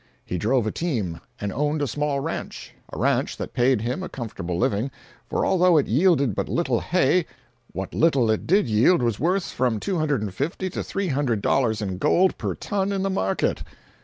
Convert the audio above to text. He drove a team, and owned a small ranch—a ranch that paid him a comfortable living, for although it yielded but little hay, what little it did yield was worth from $250 to $300 in gold per ton in the market.